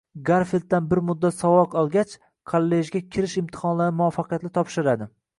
Garfilddan bir muddat saboq olgach, kollejga kirish imtihonlarini muvaffaqiyatli topshiradi